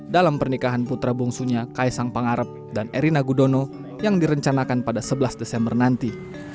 dalam pernikahan putra bungsunya kaisang pangarep dan erina gudono yang direncanakan pada sebelas desember nanti